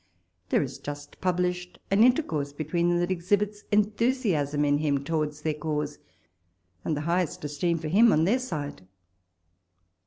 There is just published an intercourse between them that exhibits enthusiasm in him towards their cause, and the highest esteem for him on their side.